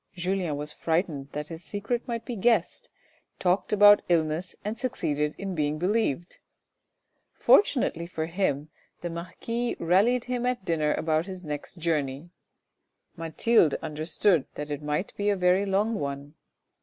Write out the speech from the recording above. Julien was frightened that his secret might be guessed, talked about illness and succeeded in being believed. Fortunately for him the marquis rallied him at dinner about his next journey; Mathilde understood that it might be a very long one.